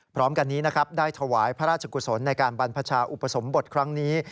พร้อมกันนี้นะครับได้ถวายพระราชกุศลในการบรรพชาอุปสมบทครั้งนี้